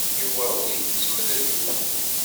Yuba ur yettemlelluy.